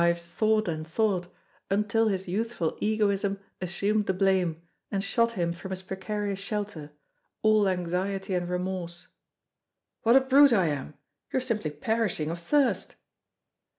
Ives thought and thought until his youthful egoism assumed the blame, and shot him from his precarious shelter, all anxiety and remorse. "What a brute I am! You're simply perishing of thirst!"